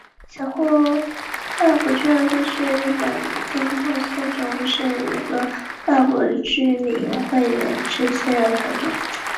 神户外国俱乐部是日本兵库县神户市的一个外国居民会员制社交场所。